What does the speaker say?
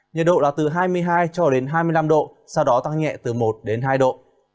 nhiệt độ là từ hai mươi hai cho đến hai mươi năm độ sau đó tăng nhẹ từ một đến hai độ